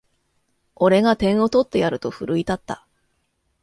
俺が点を取ってやると奮い立った